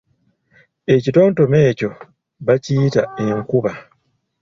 Ekitontome ekyo bakiyita enkuba.